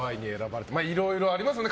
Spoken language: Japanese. いろいろありますよね